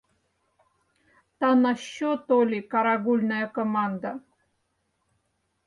— Та на що толи карагульная команда.